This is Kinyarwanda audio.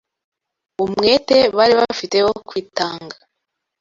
Umwete bari bafite wo kwitanga